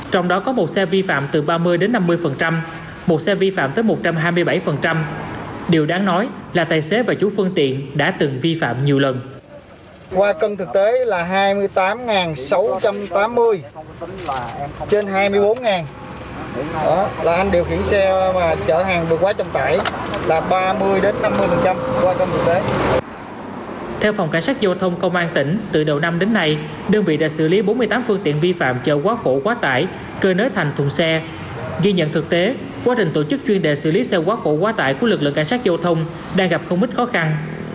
trong đó có một xe vi phạm từ ba mươi đến năm mươi một xe vi phạm từ ba mươi đến năm mươi một xe vi phạm từ ba mươi đến năm mươi một xe vi phạm từ ba mươi đến năm mươi một xe vi phạm từ ba mươi đến năm mươi của lực lượng cảnh sát giao thông đang gặp không ít khó khăn